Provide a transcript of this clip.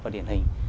và điển hình